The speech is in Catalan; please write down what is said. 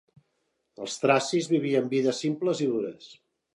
Els tracis vivien vides simples i dures.